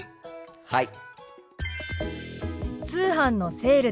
はい。